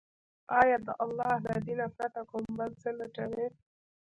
آيا د الله له دين پرته كوم بل څه لټوي،